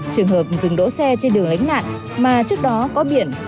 trường hợp rừng đỗ xe trên đường lãnh nạn mà trước đó có biển